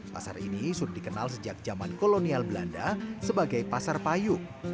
pasar ini sudah dikenal sejak zaman kolonial belanda sebagai pasar payung